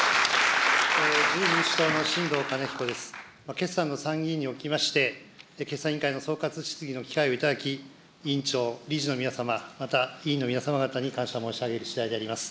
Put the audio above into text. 決算の参議院におきまして、決算委員会の総括質疑の機会を頂き、委員長、理事の皆様、また委員の皆様方に感謝申し上げるしだいであります。